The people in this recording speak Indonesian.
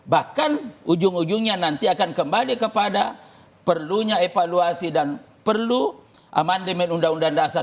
bahkan ujung ujungnya nanti akan kembali kepada perlunya evaluasi dan perlu amandemen undang undang dasar seribu sembilan ratus empat puluh lima